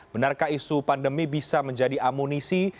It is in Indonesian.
benarkah isu pandemi bisa menjadi amunisi